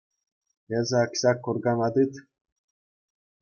Эсӗ ак ҫак куркана тыт.